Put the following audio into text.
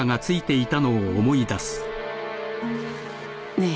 ねえ？